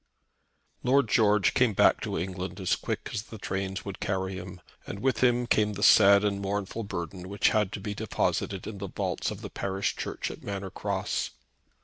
Lord George came back to England as quick as the trains would carry him, and with him came the sad and mournful burden which had to be deposited in the vaults of the parish church at Manor Cross.